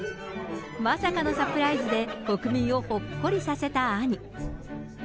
まさかのサプライズで、国民をほっこりさせた兄。